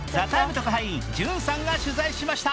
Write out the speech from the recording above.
特派員Ｊｕｎさんが取材しました。